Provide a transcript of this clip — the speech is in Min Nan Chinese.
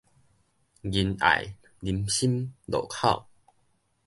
仁愛林森路口